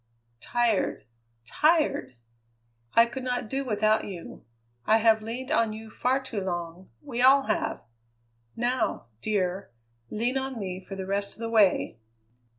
Tired, tired! I could not do without you. I have leaned on you far too long; we all have. Now, dear, lean on me for the rest of the way."